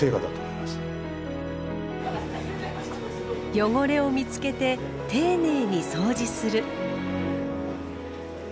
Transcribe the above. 汚れを見つけて丁寧にそうじする。